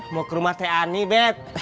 mau ke rumah teh ani bet